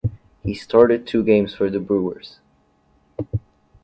He started two games for the "Brewers".